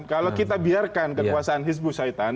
kalau kita biarkan kekuasaan hizbushaitan